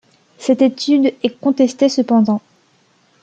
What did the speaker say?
Cette étude est contestée cependant.